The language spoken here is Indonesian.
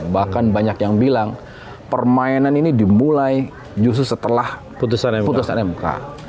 bahkan banyak yang bilang permainan ini dimulai justru setelah putusan mk